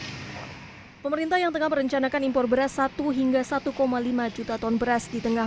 hai pemerintah yang tengah merencanakan impor beras satu hingga satu lima juta ton beras di tengah